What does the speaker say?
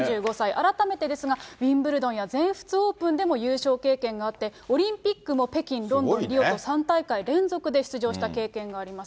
改めてですが、ウィンブルドンや全仏オープンで優勝経験があって、オリンピックも北京、ロンドン、リオと、３大会連続で出場した経験があります。